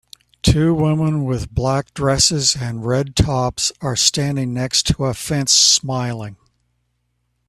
Two women with black dresses and red tops are standing next to a fence smiling.